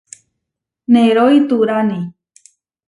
Nerói turáni.